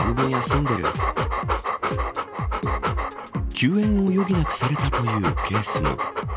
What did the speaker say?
休園を余儀なくされたというケースも。